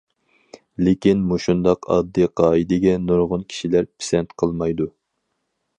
لېكىن مۇشۇنداق ئاددىي قائىدىگە نۇرغۇن كىشىلەر پىسەنت قىلمايدۇ.